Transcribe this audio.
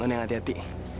non yang hati hati